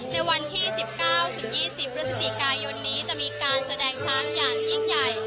ในวันที่๑๙๒๐พฤศจิกายนนี้จะมีการแสดงช้างอย่างยิ่งใหญ่